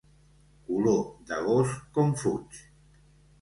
Color de gos com fuig.